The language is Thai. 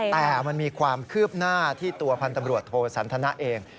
แต่มันมีความคืบหน้าที่ตัวพันธ์ตำรวจโทสันทนะเอง